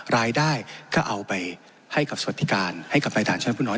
รายได้ก็เอาไปให้กับสวัสดิการให้กับนายฐานชั้นผู้น้อย